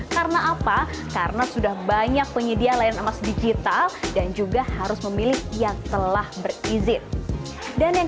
karena sudah banyak penyedia layanan emas digital dan juga harus memilih yang telah berizin dan yang